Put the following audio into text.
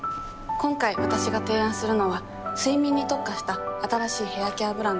今回わたしが提案するのは睡眠に特化した新しいヘアケアブランド。